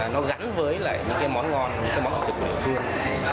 nó gắn với lại những cái món ngon những cái món ẩm thực của địa phương